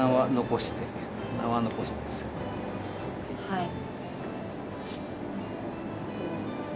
はい。